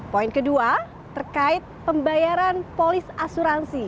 poin kedua terkait pembayaran polis asuransi